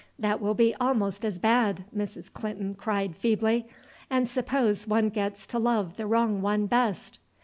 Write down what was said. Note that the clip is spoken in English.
"That will be almost as bad," Mrs. Clinton cried feebly. "And suppose one gets to love the wrong one best?"